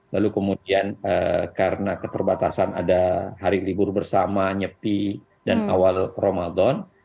lalu kemudian karena keterbatasan ada hari libur bersama nyepi dan awal ramadan